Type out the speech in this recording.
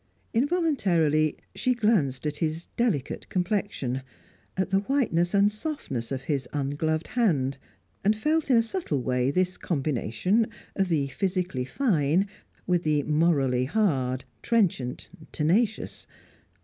Involuntarily, she glanced at his delicate complexion, at the whiteness and softness of his ungloved hand, and felt in a subtle way this combination of the physically fine with the morally hard, trenchant, tenacious.